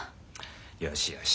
よしよし。